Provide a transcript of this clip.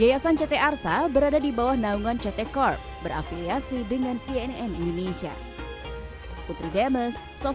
yayasan ct arsa berada di bawah naungan ct corp berafiliasi dengan cnn indonesia